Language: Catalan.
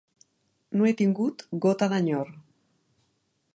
No he tingut gota d'enyor.